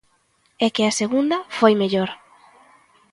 E que a segunda foi mellor.